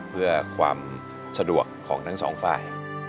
เพื่อความสะดวกของทั้งสองฝ่าย